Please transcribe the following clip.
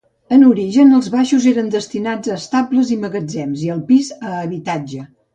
En origen, els baixos eren destinats a estables i magatzems, i el pis a habitatge.